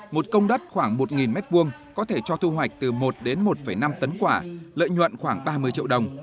một công đất khoảng một m hai có thể cho thu hoạch từ một đến một năm tấn quả lợi nhuận khoảng ba mươi triệu đồng